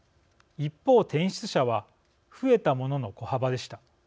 一方、転出者は増えたものの小幅でした。